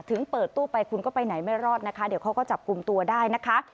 ถึงเปิดตู้ไปคุณก็ไปไหนไม่รอดนะคะเดี๋ยวเขาก็จับกลุ่มตัวได้นะคะ